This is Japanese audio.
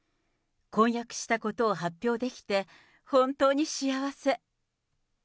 婚約したことを発表できて、本当に幸せ。